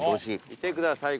見てください